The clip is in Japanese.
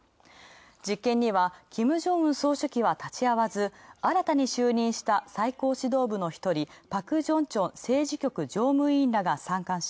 実験には金正恩総書記は立ち会わず、新たに就任した最高指導部の一人朴正天・政治局常務委員らが参観し、